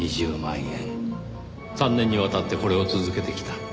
３年にわたってこれを続けてきた。